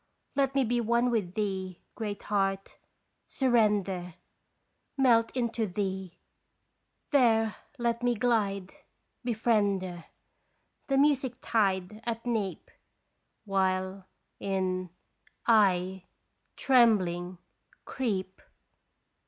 Let me be one with thee, Great Heart surrender Melt into thee there let me glide Befriender ! The music tide at neap While in I trembling creep